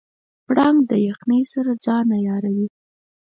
پړانګ د یخنۍ سره ځان عیاروي.